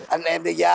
anh em đây ra